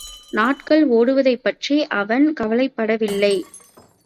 நாட்கள் ஓடுவதைப்பற்றி அவன் கவலைப்படவில்லை.